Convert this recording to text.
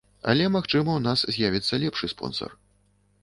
Але, магчыма, у нас з'явіцца лепшы спонсар.